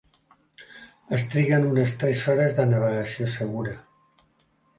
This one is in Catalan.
Es triguen unes tres hores de navegació segura.